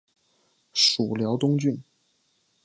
属辽东郡。